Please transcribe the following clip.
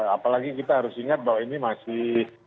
apalagi kita harus ingat bahwa ini masih